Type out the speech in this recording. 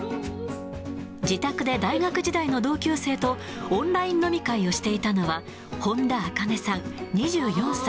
自宅で大学時代の同級生とオンライン飲み会をしていたのは、本多茜さん２４歳。